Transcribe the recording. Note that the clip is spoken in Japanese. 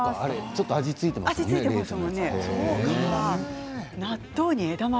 ちょっと味付いていますもんね。